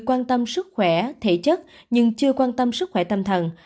quan tâm sức khỏe thể chất nhưng chưa quan tâm sức khỏe tâm thần